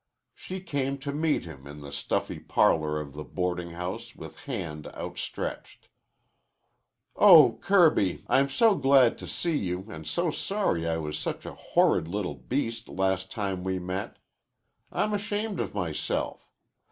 She came to meet him in the stuffy parlor of the boarding house with hand outstretched. "Oh, Kirby, I'm so glad to see you and so sorry I was such a horrid little beast last time we met. I'm ashamed of myself.